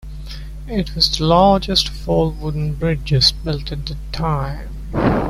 It was the largest of all wooden bridges built at the time.